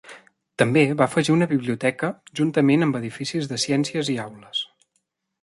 També va afegir una biblioteca juntament amb edificis de ciències i aules.